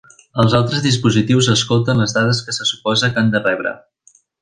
Els altres dispositius escolten les dades que se suposa que han de rebre.